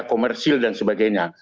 seperti komersil dan sebagainya